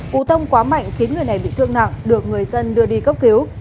cú tông quá mạnh khiến người này bị thương nặng được người dân đưa đi cấp cứu